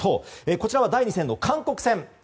こちらは第２戦の韓国戦。